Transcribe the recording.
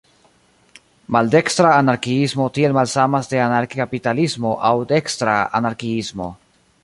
Maldekstra anarkiismo tiel malsamas de anarki-kapitalismo aŭ "dekstra" anarkiismo.